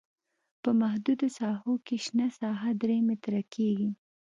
په محدودو ساحو کې شنه ساحه درې متره کیږي